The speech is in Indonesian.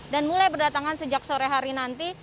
dan mulai berdatangan sejak sore hari nanti